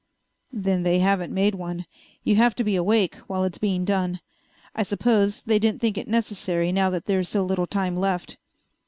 "Then they haven't made one. You have to be awake while it's being done. I suppose they didn't think it necessary now that there's so little time left."